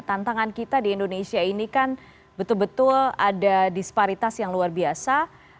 tantangan kita di indonesia ini kan betul betul ada disparitas yang luar biasa